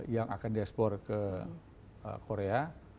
yang akan diekspor ke korea